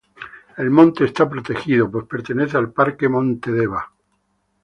El monte está protegido pues pertenece al Parque Monte Deva.